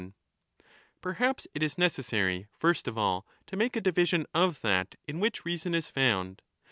1196^ MAGNA MORALIA Perhaps it is necessary first of all to make a division of that in which reason is found.